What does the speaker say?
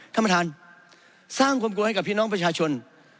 ท่านประธานสร้างความกลัวให้กับพี่น้องประชาชน